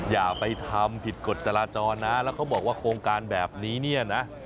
อย่าไปทำผิดกฎจราจรนะแล้วเขาบอกว่าโครงการแบบนี้เนี่ยนะ